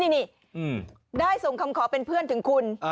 นี่ได้ส่งคำขอเป็นเพื่อนถึงคุณ